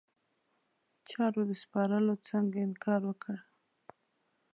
چارو د سپارلو څخه انکار وکړ.